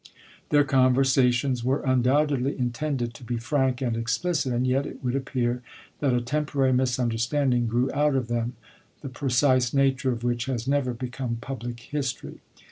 i860. Their conversations were undoubtedly intended to be frank and explicit, and yet it would appear that a temporary misunderstanding grew out of them, the precise nature of which has never become pub lic history.